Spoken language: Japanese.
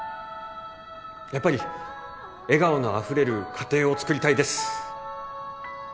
やっぱり笑顔の溢れる家庭を作りたいです